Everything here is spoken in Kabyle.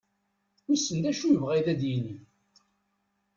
Wissen d acu i yebɣa ad d-yini ?